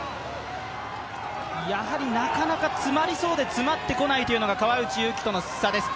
やはりなかなか詰まりそうで詰まってこないというのが川内優輝との差です